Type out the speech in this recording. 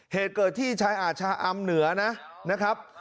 เหตุเกิดที่ชายอาชาอำเหนือนะครับ